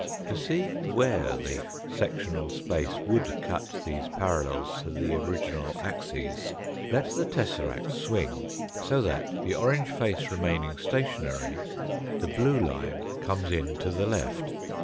To see where the sectional space would cut these parallels to the original axes let the tesseract swing so that, the orange face remaining stationary, the blue line cpmes in to the left.